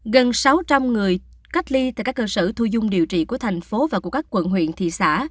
gần sáu trăm linh người cách ly tại các cơ sở thu dung điều trị của thành phố và của các quận huyện thị xã